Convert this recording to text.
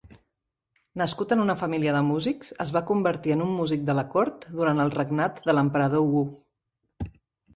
Nascut en una família de músics, es va convertir en un músic de la cort durant el regnat de l'emperador Wu.